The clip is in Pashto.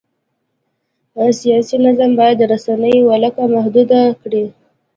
سیاسي نظام باید د رسنیو ولکه محدوده کړي.